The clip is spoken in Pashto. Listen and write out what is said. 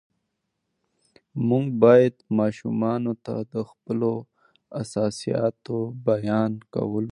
موږ باید ماشومانو ته د خپلو احساساتو بیان کول زده کړو